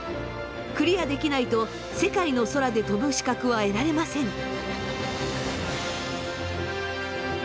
クリアできないと世界の空で飛ぶ資格は得られません。